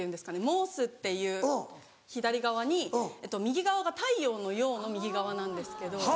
「申す」っていう左側に右側が太陽の「陽」の右側なんですけど。